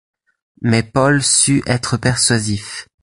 Mais Paul sut être persuasif.